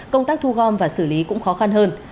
công tác thu gom và xử lý cũng khó khăn hơn